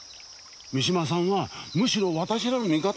三島さんはむしろ私らの味方だったんですよ。